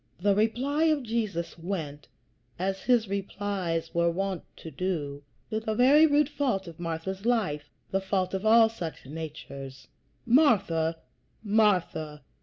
The reply of Jesus went, as his replies were wont to do, to the very root fault of Martha's life, the fault of all such natures: "Martha, Martha!